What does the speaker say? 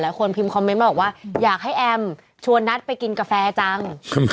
คนพิมพ์คอมเมนต์มาบอกว่าอยากให้แอมชวนนัทไปกินกาแฟจัง